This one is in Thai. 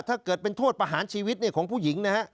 ถ้าเกิดเป็นโทษประหารชีวิตของผู้หญิงนะฮะ